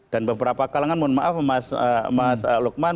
dan beberapa kalangan mohon maaf mas lukman